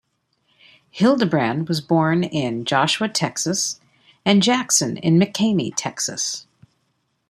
Hildebrand was born in Joshua, Texas, and Jackson in McCamey, Texas.